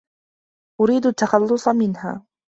أريد التّحلّص منها.